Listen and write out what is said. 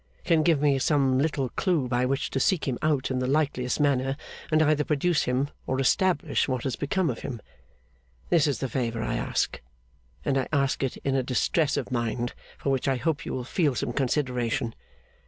Can give me some little clue by which to seek him out in the likeliest manner, and either produce him, or establish what has become of him. This is the favour I ask, and I ask it in a distress of mind for which I hope you will feel some consideration.